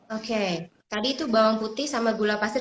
oke tadi itu bawang putih sama gula pasir